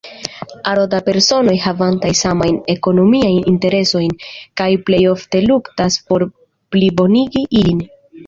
Aro da personoj havantaj samajn ekonomiajn interesojn, kaj plej ofte luktas por plibonigi ilin.